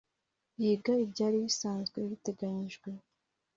Yiga ibyari bisanzwe biteganyijwe